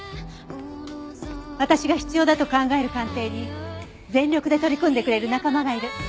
私が必要だと考える鑑定に全力で取り組んでくれる仲間がいる。